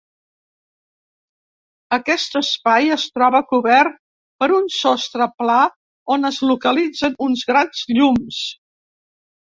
Aquest espai es troba cobert per un sostre pla on es localitzen uns grans llums.